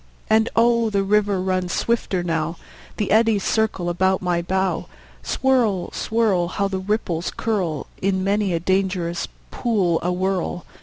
And oh, the river runs swifter now; The eddies circle about my bow. Swirl, swirl! How the ripples curl In many a dangerous pool awhirl!